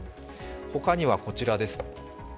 他には、こちらです。